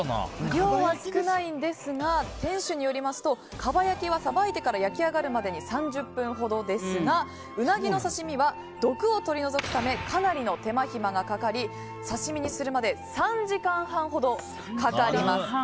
量は少ないんですが店主によりますと蒲焼はさばいてから焼き上がるまでに３０分ほどですがうなぎの刺身は毒を取り除くためかなりの手間暇がかかり刺身にするまで３時間半ほどかかります。